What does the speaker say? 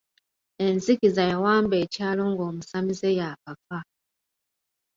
Enzikiza yawamba ekyalo ng’omusamize y’akafa.